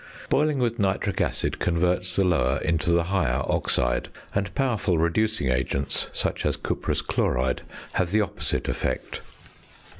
Boiling with nitric acid converts the lower into the higher oxide; and powerful reducing agents, such as cuprous chloride, have the opposite effect.